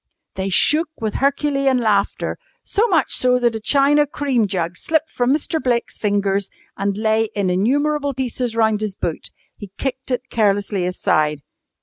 They shook with herculean laughter, so much so that a china cream jug slipped from Mr. Blake's fingers and lay in innumerable pieces round his boot. He kicked it carelessly aside.